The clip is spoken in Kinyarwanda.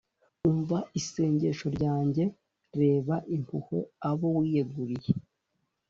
umva isengesho ryanjye, rebana impuhwe abo wiyeguriye,